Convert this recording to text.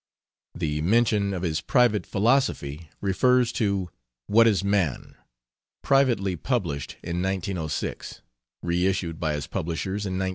The mention of his "Private Philosophy" refers to 'What Is Man?', privately published in 1906; reissued by his publishers in 1916.